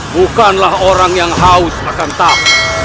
bukanlah orang yang haus makan tak